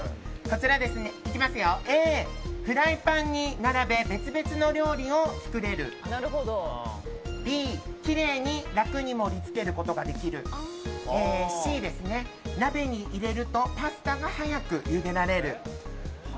Ａ、フライパンに並べ別々の料理を作れるＢ、きれいに楽に盛りつけることができるＣ、鍋に入れるとパスタが早くゆでられる。